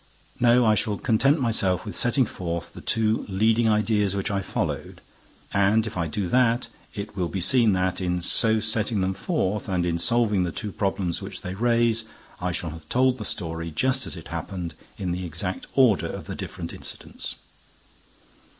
No, I shall content myself with setting forth the two leading ideas which I followed; and, if I do that, it will be seen that, in so setting them forth and in solving the two problems which they raise, I shall have told the story just as it happened, in the exact order of the different incidents.